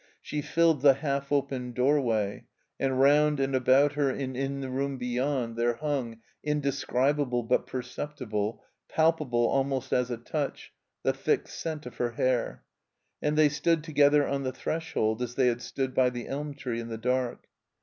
She filled the half opened doorway; and round and about her and in the room beyond there hung, indescribable but perceptible, palpable almost as a touch, the thick scent of her hair. And they stood together on the threshold as they had stood by the ehn tree in the dark.